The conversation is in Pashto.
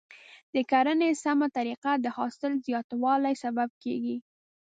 د کرنې سمه طریقه د حاصل زیاتوالي سبب کیږي.